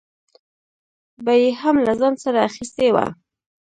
به یې هم له ځان سره اخیستې وه.